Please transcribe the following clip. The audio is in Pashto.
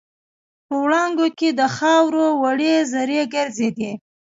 په وړانګو کې د خاوور وړې زرې ګرځېدې.